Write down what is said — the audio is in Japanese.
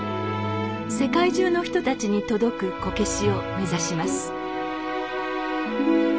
世界中の人たちに届くこけしを目指します。